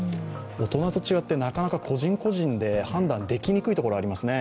大人と違って、なかなか故人個人で判断できにくいところがありますね。